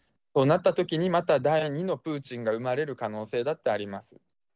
そうなったときにまた、第２のプーチンが生まれる可能性だってあります。